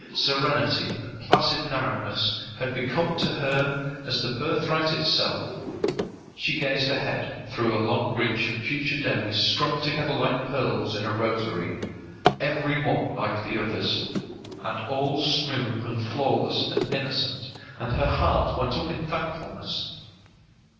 Serenity and placid narrowness had become to her as the birthright itself. She gazed ahead through a long reach of future days strung together like pearls in a rosary, every one like the others, and all smooth and flawless and innocent, and her heart went up in thankfulness.